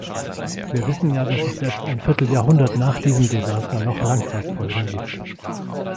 Wir wissen ja, dass es selbst ein Vierteljahrhundert nach diesem Desaster noch Langzeitfolgen gibt.